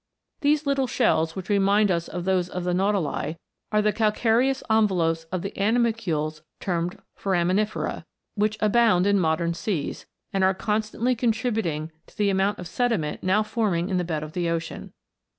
These little shells, which remind us of those of the nautili, are the calcareous enve lopes of the animalcules termed foraminifera, which abound in modern seas, and are constantly contri buting to the amount of sediment now forming in the bed of the ocean.